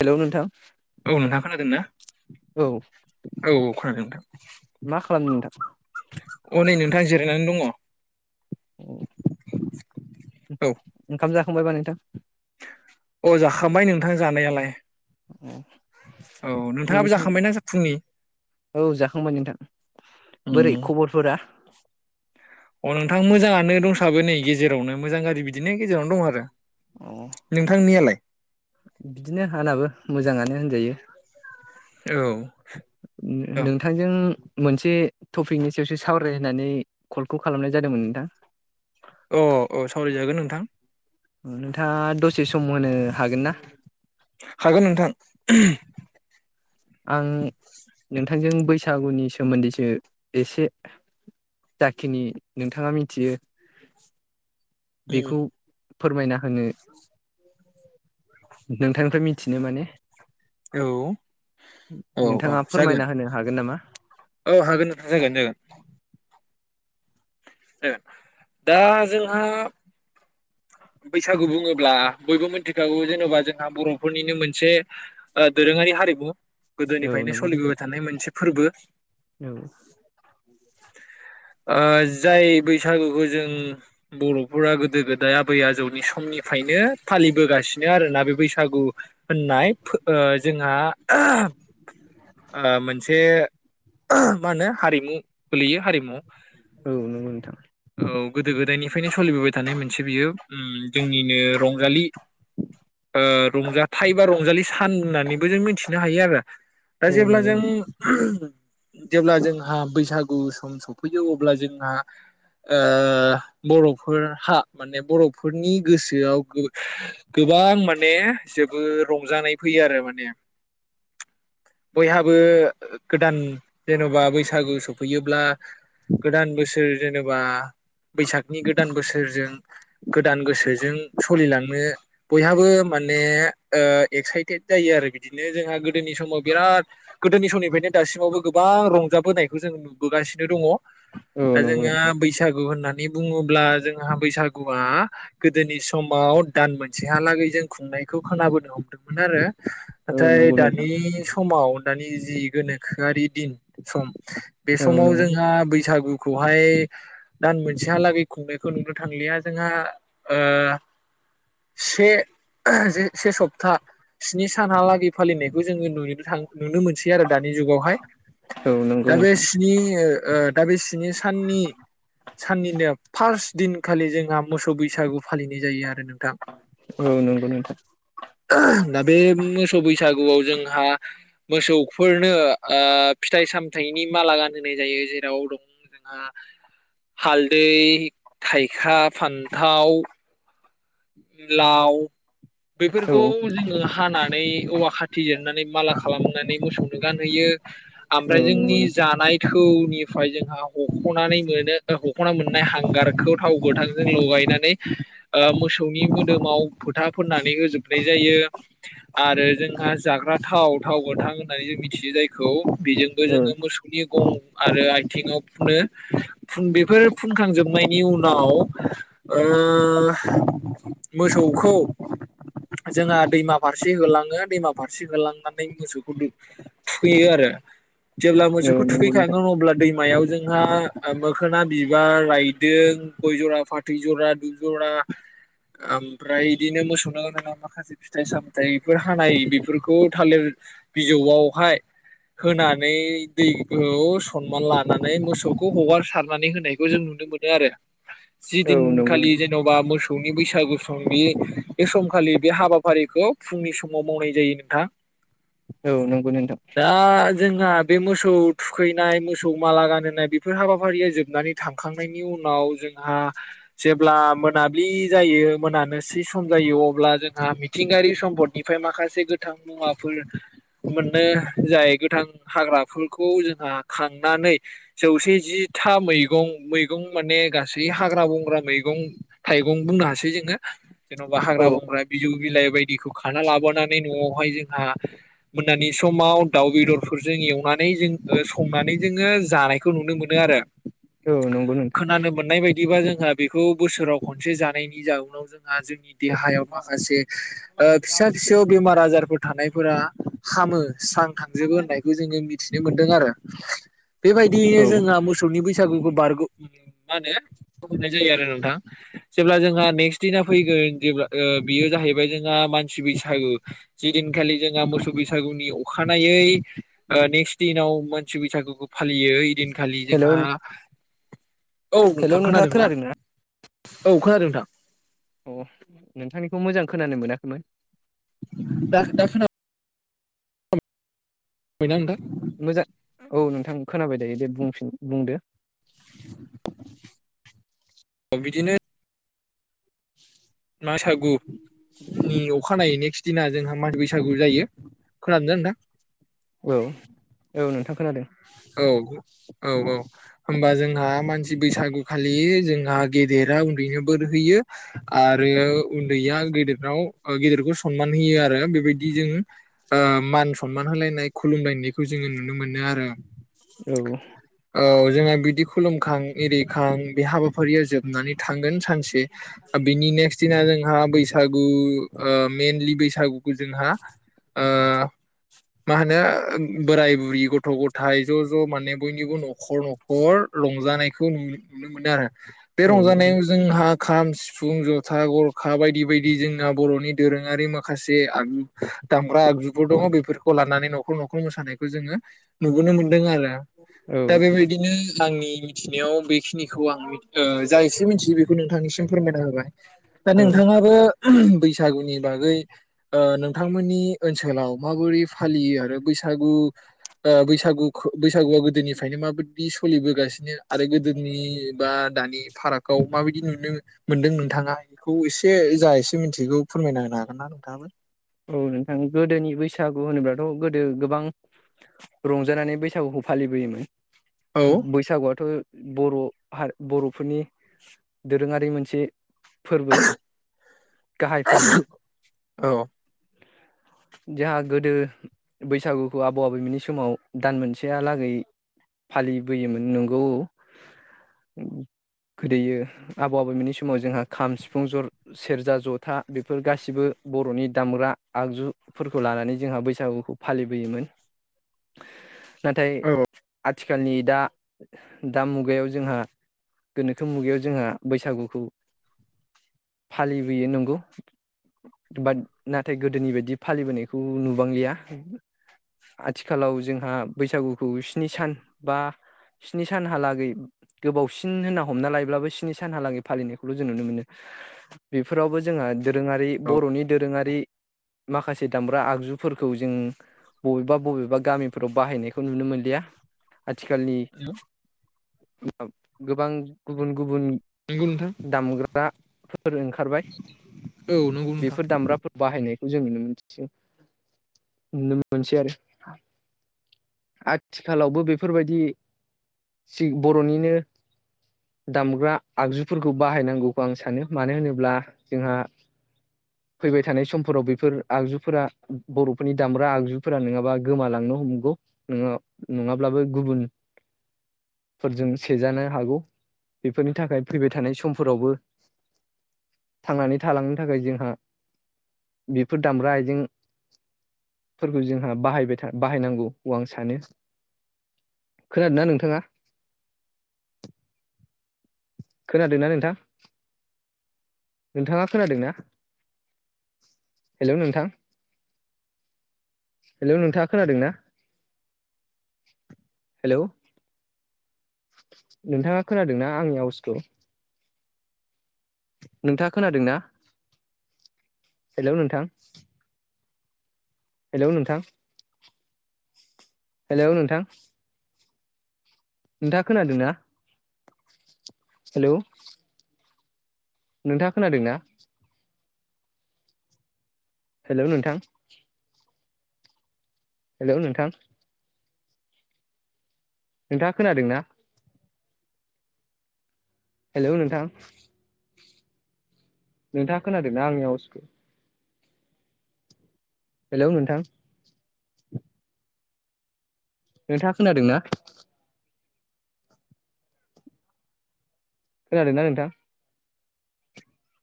Hello नोंथां औ नोंथां खोनादोंना औ औ औ खोनादों नोंथां मा खालामदों नोंथां? अ नै नोंथां जिरायनानै दङ। औ ओंखाम जा खांबाय बायबा नोंथां अ जाखांबाय नोंथां जानायालाय। ओम औ नोंथाङाबो नोंथां जाखांबायना फुंनि औ जाखांबाय नोंथां उम बोरै खबरफोरा? [unintelligible] अ नोंथां मोजाङानो दंसाबो नै गेजेरावनो मोजां गारजि बिदिनो गेजेरावनो दं आरो। अ नोंथांनियालाय? बिदिनो आंनाबो मोजाङानो होनजायो। औ नो-नोंथांजों मोनसे टपिकनि सायावसो सावरायनो होननानै कलखौ खालामनाय जादोंमोन नोंथां। अ औ सावरायजागोन नोंथां। नोंथाङा दसे सम होनो हागोन ना? हागोन नोंथां आं नोंथांजों बैसागुनि सोमोन्दैसो एसे जाखिनि नोंथाङा मिथियो उम बेखौ फोरमायना होनो नोंथांनिफ्राय मिथिनो माने औ औ औ नोंथाङा जागोन फोरमायना होनो हागोन नामा? औ हागोन नोंथां जागोन जागोन। ओ दा जोंहा बैसागु बुङोब्ला बयबो मिथिखागौ जेन'बा जोंहा बर'फोरनिनो मोनसे ओ दोरोङारि हारिमु। औ गोदोनिफायनो नंगौ नोंथां सोलिबोबाय थानाय मोनसे फोरबो। औ ओ जाय बैसागुखो जों बर'फोरा गोदो गोदाय आबै आजौनि समनिफायनो फालिबोगासिनो आरोना बे बैसागु होननाय फो ओ जोंहा ओ मोनसे मा होनो हारिमु गोलैयो हारिमु। औ नोंगौ नोंथां। फ्रायनो सलिबोबाय थानाय मोनसे बियो उम जोंनिनो रंजालि ओ रंजाथाइ बा रंजालि सान होननानैबो जों मिथिनो हायो आरो। दा औ जेब्ला नंगौ जों नोंथां जेब्ला जोंहा बैसागु सम सफैयो अब्ला जोंहा ओ बर'फोरहा माने बर' फोरनि गोसोआव गो गोबां माने जोबोद रंजानाय फैयो आरो माने बयहाबो गोदान जेन'बा बैसागु सफैयोब्ला गोदान बोसोर। जेनेबा। बैसागनि गोदान बोसोरजों। गोसोजों सलिलांनो बयहाबो माने ओ एक्साइटेड जायो आरो बिदिनो जोंहा गोदोनि समाव बिराद गोदोनि समनिफ्रायनो दासिमावबो गोबां रंजाबोनायखौ जों नुबोगासिनो दङ। औ दा नंगौ जोङा बैसागु होनना। बे बुङोब्ला जोंहा बैसागु। बा गोदोनि समाव दान मोनसेहालागै जों खुंनायखौ खोनाबोनो हमदोंमोन आरो। नाथाय नोंथां दानि समाव। दानि जि गोनोखोआरि दिन सम। बे औ समाव नंगौ जोंहा नोंथां बैसागु। खौहाय दान मोनसेहालागै खुंनायखौ नुनो थांलिया। जोंहा ओ से। ज से सपता। स्नि सानहालागै फालिनायखौ जोङो नुनो थाङ। नुनो मोनसै आरो दानि जुगावहाय औ नंगौ औ नंगौ दा बे नोंथां स्नि ओ। ओ दा बे स्नि सा। साननि साननिनो फास्ट। दिनखालि जों। जोंहा मोसौ बैसागु फालिनाय जायो आरो न। औ नंगौ नोंथां। दा बे मोसौ बैसागुआव जोंहा मोसौफोरनो ओ फिथाइ सामथाइनि माला गानहोनाय जायो जेराव दं जोंहा हालदै थाइखा। फान्थाव। लाव। औ बेफोरखौ जोङो हाना। नै औवा खाथि जिरनानै माला खालामनानै मोसौ। गानहैयो औ आमफ्राय नंगौ जोंनि नोंथां जानाय थौनि। फाय जोंहा हख'नानै मोनो ओ हख'ना मोननाय हांगारखौ थाव गोथांजों लगायनानै ओ मोसौ। थ थौनि मोदोमाव फोथा फोननानै होजोबनाय जायो आरो जोंहा जाग्रा थाव थाव गोथां होननानै जों मिथियो जायखौ। बेजोंबो औ जोङो मोसौनि गं। आरो आथिङाव फुनो फुन बेफोर फुनखांजोबनायनि उनाव ओ मोसौखौ जोंहा दैमा फारसे होलाङो दैमा फारसे होलांनानै मोसौखौ थुखोयो आरो। जेब्ला औ मोसौखौ नंगौ नोंथां थुफैखागोन अब्ला दैमायाव। जोंहा ओ मोखोना बिबार रायदों गय जरा फाथै जरा दुभ जरा। ओमफ्राय बिदिनो मोसौनो गोनां माखासे फिथाइ सामथायाइफोर हानाय बेफोरखौ थालिर बिजौआवहाय होनानै दैखौ सनमान लानानै मोसौखौ हगार सारनानै होनायखौ जों नुनो मोनो आरो। औ जिदिन नंगौ खालि नोंथां जेन'बा मोसौ नि बैसागु बैसागु समनि बे समखालि बे हाबाफारिखौ फुंनि समाव मावनाय जायो नोंथां औ नंगौ नोंथां दा जोंहा बे मोसौ थुखैनाय मोसौ माला गानहोनाय बेफोर हाबाफारिया जोबनानै थांखांनायनि उनाव जोंहा जेब्ला मोनाबिलि जायो मोनानोसै सम जायो अब्ला जोंहा मिथिंगायारि सम्पद बेनिफ्राय माखासे गोथां मुवाफोर मोनो जाय गोथां हाग्राफोरखौ जोंहा खांनानै जौसे जिथा मैगं मैगं माने गासै हाग्रा बंग्रा मैगं थाइगं बुंनो हासै जोङो जेन'बा औ हाग्रा बंग्रा बिजौ बिलाइ बायदि बिखौ खाना लाबोनानै न'आवहाय जोंहा मोनानि समाव दाउ बेदरफोरजों एवनानै जों संनानै जोङो जानायखौ नुनो मोनो आरो औ नंगौ नोंथां खोनानो मोननाय बायदिबा जों जोंहा बेखौ बोसोराव खनसे जानायनि जाउनाव जोंहा जोंनि देहायाव माखासे फिसा फिसौ बेमार आजार बेरामफोर थानायफोरा हामो स्रां थांजोबो होननायखौ जोङो मिथिनो मोनो दङ आरो बेबायदियैनो औ जोंहा मोसौनि बैसागुखौ बारग' मा होनो हरनाय जायो आरो नोंथां जेब्ला जोंहा नेक्स्ट दिना फैगोन जेब्ला बियो जाहैबाय जोंहा मानसि बैसागु जि दिनखालि जोंहा मोसौ बैसागुनि अखानायै नेक्स्ट दिनाव मानसि बैसागुखौ फालियो ओयदिनखालि हेलौ जोंहा औ हेलौ नोंथां नोंथाङा खोनादों ना खोनादोंना औ खोनादों नोंथां अ नोंथांनिखौ मोजां खोनानो मोनाखैमोन दा-दा [unintelligible] खोनाबायना नोंथां मोजां औ नोंथां खोनाबाय दायो दे बुंफिन बुंदो बिदिनो [unintelligible] अखानायै नेक्स्ट दिना मागु जोंहा बैसागु जायो खोनादोंना नोंथां औ - औ नोंथां खोनादों औ-औ-औ होमबा जोंहा मानसि बैसागु खालि जोंहा गेदेरा उन्दैनो बोर होयो आरो उन्दैया गेदेरनाव गेदेरखौ सनमान होयो आरो बेबायदि जों मान सनमान होलायनाय खुलुमलायनायखौ जोङो नुनो मोनो औ औ जोंहा बिदि खुलुमखां एरिखां बे हाबाफारिया जोबनानै थांगोन सानसे बिनि नेक्स्ट दिना जों हा बैसागु मेइनलि बैसागु जोंहा ओ मा होनो बोराइ बुरि गथ' गथ थाइ ज'-ज' माने बयनिबो न'खर-न'खर रंजानाय खौ नुन-नुनो मोनो आरो। बे औ नंगौ रंजानायाव जोंहा खाम सिफुं जथा गरखा बायदि-बायदि जोंना बर'नि दोरोङारि माखासे आगजु दामग्रा आगजुफोर दङ बेफोरखौ लानानै न'खर-न'खर मोसानायखौ जोङो नुुबोनो मोन्दों आरो। औ [unintelligible] दा बेबायदिनो आंनि मिथिनायाव बे खिनिखौ आं ओ जा एसे मिथियो बेखौ नोंथांनिसिम फोरमायना होबाय दा औ नोंथाङाबो [unintelligible] बै सागुनि बागै ओ नोंथांमोननि ओनसोलाव माबोरै फालियो आरो बैसागु ओ बैसागुख बैसागुआ गोदोनिफ्रायनो माबायदि सोलिबोगासिनो आरो गोदोनि बा दानि फारागआव माबायदि नुनो मोनदों नोंथाङा बेखौ एसे जा एसे मिथिगौ फोरमायना होनो हागोन ना नोंथाङाबो? औ नोंथां गोदोनि बैसागु होनोब्लाथ' गोदो गोबां रंजानानै बैसागुखौ फालिबोयोमोन। औ बैसागुआथ' बर' हा बर'फोरनि दोरोङारि मोनसे फोरबो गाहाय फोरबो औ जोंहा गोदो बैसागुखौ आबौ आबैमोननि समाव दान मोनसेहालागै फालिबोयोमोन नंगौ गोदोयो आबौ आबैमोननि समाव जोंहा खाम सिफुं ज सेरजा जथा बेफोर गासिबो बर'नि दामग्रा आगजुफोरखौ लानानै जोंहा बैसागुखौ फालिबोयोमोन। नाथाय औ आ थिखालनि दा-दा मुगायाव जोंहा गोनोखो मुगायाव जोंहा बैसागुखौ फालिबोयो नंगौ बाद नाथाय गोदोनि बायदि फालिबोनायखौ नुबांलिया आथिखालाव जोंहा बैसागुखौ स्नि सान बा स्नि सानहालागै गोबावसिन होनना हमना लायोब्लाबो स्नि सानहालागै फालिनायखौल' जों नुनो मोनो बेफोरावबो जोंहा दोरोङारि बर'नि दोरोङा रि माखासे दामब्रा आगजुफोरखौ जों बबेबा-बबेबा गामिफोराव बाहायनायखौ नुनो मोनलिया। आथिखालनि औ [unintelligible] गोबां गुबुन-गुबुन नंगौ नोंथां दामग्राफोर ओंखारबाय औ नंगौ नोंथां बेफोर दामग्राफोर बाहायनायखौ जों नुनो मोनसै नुनो मोनसै आरो आथिखालावबो बेफोरबायदि [unintelligible] बर'निनो दामग्रा आगजुफोरखौ बाहायनांगौखौ आं सानो मानो होनोब्ला जोंहा फैबाय थानाय समफोराव बेफोर आगजुफोरा बर'फोरनि दामग्रा आगजुफोरा नङाबा गोमालांनो हमगौ ङ नङाब्लाबो गुबुनफोरजों सेजानो हागौ बेफोरनि थाखाय फैबाय थानाय समफोरावबो थांनानै थालांनो थाखाय जोंहा बेफोर दामग्रा आइजेंफोरखौ जोंहा बाहायबाय था बाहायनांगौ आं सानो खोनादोंना नोंथाङा खोनादोंना नोंथां नोंथाङा खोनादोंना हेलौ नोंथां हेलौ नोंथाङा खोनादोंना हेलौ नोंथाङा खोनादोंनाा आंनि आउसखौ नोंथाङा खोनादों ना हेलौ नोंथां हेलौ नोंथां हेलौ नोंथां नोंथाङा खोनादोंनाा हेलौ नोंथाङा खोनादोंना? हेलौ नोंथां हेल' नोंथां नोंथाङा खोनादों ना? हेलौ नोंथां नोंथाङा खोनादों ना आंनि आवसखौ? हेलौ नोंथां नोंथाङा खोनादों ना? खोनादोंना नोंथां?